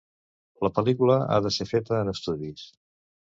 La pel·lícula ha de ser feta en estudis.